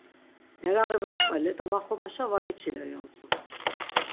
Meraği va qva let̆a va xomaşa va viçiler ya utzu…